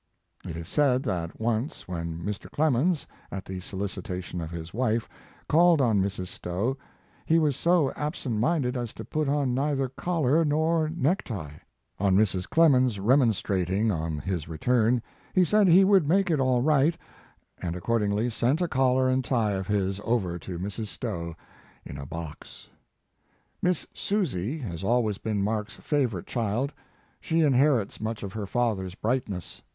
It is said that once when Mr. Clemens, at the solicita tion of his wife, called on Mrs. Stowe, he was so absent minded as to put on neither collar nor necktie. On Mrs. Clemens remonstrating on his return, he said he would make it all right, and accordingly sent a collar and tie of his over to Mrs. Stowe in a box. iS2 Mark Twain Miss Susie has always been Mark s favorite child. She inherits much of her father s brightness.